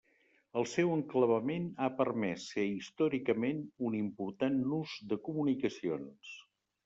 El seu enclavament ha permès ser històricament un important nus de comunicacions.